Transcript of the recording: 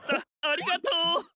ありがとう！